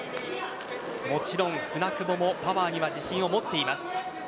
もちろん舟久保もパワーには自信を持っています。